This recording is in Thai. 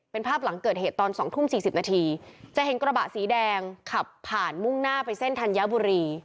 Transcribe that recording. เป็นภาพหลังเกิดเหตุตอน๒ทุ่ม๔๐นาทีจะเห็นกระบะสีแดงขับผ่านมุ่งหน้าไปเส้นธัญบุรี